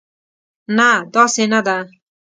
نه، داسې نه ده.